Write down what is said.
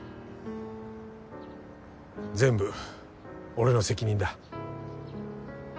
全部俺の責任だ。